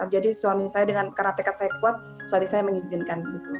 jadi suami saya karena tekad saya kuat suami saya mengizinkan